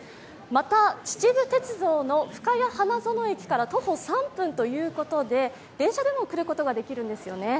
また、秩父鉄道の深谷花園駅から徒歩３分ということで、電車でも来ることができるんですよね。